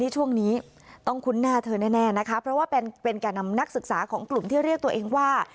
ช่วงนี้ต้องคุ้นหน้าเธอแน่นะคะเพราะว่าเป็นแก่นำนักศึกษาของกลุ่มที่เรียกตัวเองว่า